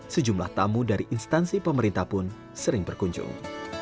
sejumlah tamu dari instansi pemerintah pun sering berkunjung